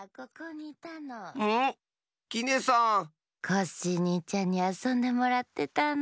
コッシーにいちゃんにあそんでもらってたの。